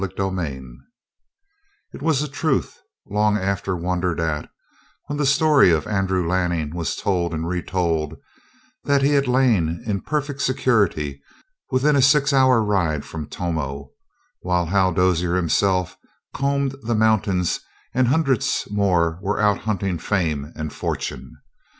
CHAPTER 20 It was a truth long after wondered at, when the story of Andrew Lanning was told and retold, that he had lain in perfect security within a six hour ride from Tomo, while Hal Dozier himself combed the mountains and hundreds more were out hunting fame and fortune.